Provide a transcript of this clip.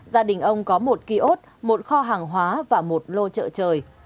gia đình ông có một kiosk một kho hàng hóa và một lô chợ trời